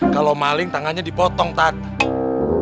kalau maling tangannya dipotong tadi